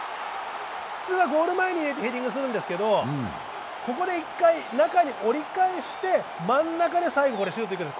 普通はゴール前にヘディングするんですけどここで一回中に折り返して真ん中に最後シュートいくんです。